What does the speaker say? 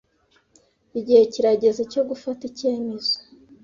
Igihe kirageze cyo gufata icyemezo.